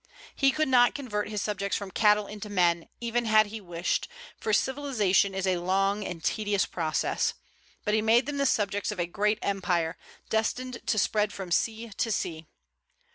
He could not convert his subjects from cattle into men, even had he wished, for civilization is a long and tedious process; but he made them the subjects of a great empire, destined to spread from sea to sea.